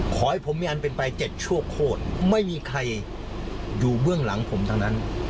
ขอให้ผมมีอันเป็นไป๗ชั่วโคตรไม่มีใครอยู่เบื้องหลังผมทั้งนั้น